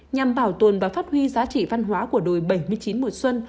nhằm bảo tồn và phát huy giá trị văn hóa của đồi bảy mươi chín mùa xuân